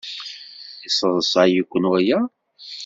Yesseḍsay-iken waya?